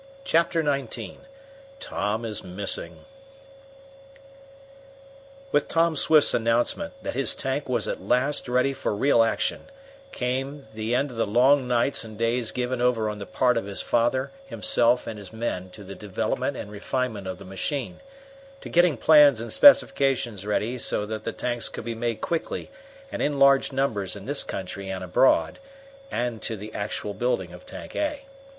Chapter XIX Tom is Missing With Tom Swift's announcement, that his tank was at last ready for real action, came the end of the long nights and days given over on the part of his father, himself, and his men to the development and refinement of the machine, to getting plans and specifications ready so that the tanks could be made quickly and in large numbers in this country and abroad and to the actual building of Tank A.